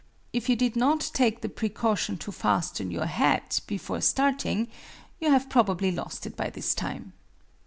If you did not take the precaution to fasten your hat before starting, you have probably lost it by this time.